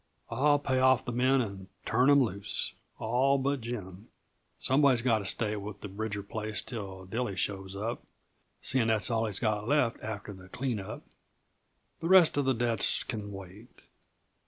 "I'll pay off the men and turn 'em loose all but Jim. Somebody's got to stay with the Bridger place till Dilly shows up, seeing that's all he's got left after the clean up. The rest uh the debts can wait.